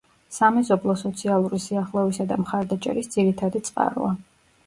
სამეზობლო სოციალური სიახლოვისა და მხარდაჭერის ძირითადი წყაროა.